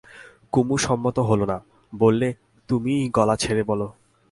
কুমু সম্মত হল না, বললে, তুমিই গলা ছেড়ে বলো।